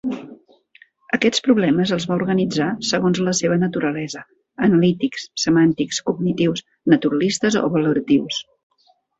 Aquests problemes els va organitzar segons la seva naturalesa: analítics, semàntics, cognitius, naturalistes o valoratius.